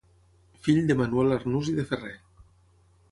Fill de Manuel Arnús i de Ferrer.